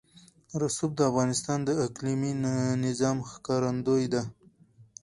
رسوب د افغانستان د اقلیمي نظام ښکارندوی ده.